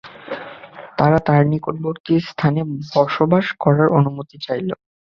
তারা তাঁর নিকটবর্তী স্থানে বসবাস করার অনুমতি চাইল।